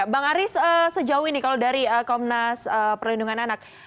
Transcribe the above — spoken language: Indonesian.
bang aris sejauh ini kalau dari komnas perlindungan anak